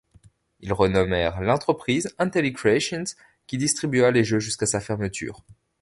Ils renommèrent l'entreprise IntelliCreations qui distribua les jeux jusqu'à sa fermeture.